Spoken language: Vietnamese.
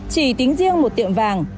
chỉ tính riêng một tiệm vàng